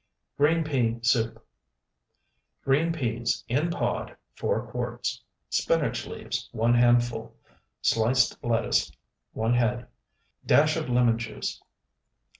GREEN PEA SOUP Green peas, in pod, 4 quarts. Spinach leaves, 1 handful. Sliced lettuce, 1 head. Dash of lemon juice.